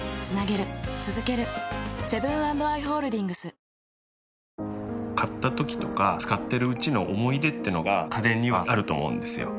ああー買ったときとか使ってるうちの思い出ってのが家電にはあると思うんですよ。